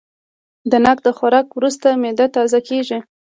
د ناک د خوراک وروسته معده تازه کېږي.